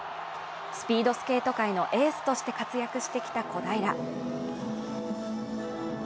スピードスケート界のエースとして活躍してきた小平。